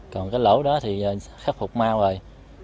còn cái lỗ đó thì khắc phục mau rồi